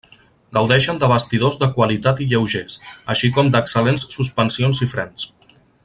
Gaudeixen de bastidors de qualitat i lleugers, així com d'excel·lents suspensions i frens.